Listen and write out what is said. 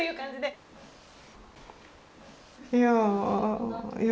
いやいや。